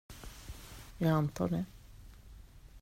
Jag antar det.